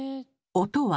音は。